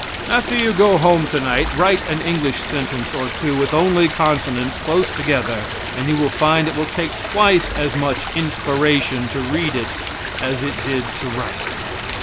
After you go home to night write an English sentence or two with only consonants close together, and you will find that it will take twice as much inspiration to read it as it did to write it.